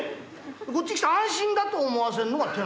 こっち来て安心だと思わせるのが手なんだよ。